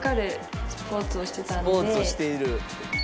スポーツをしている。